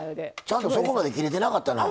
ちゃんと底まで切れてなかったな。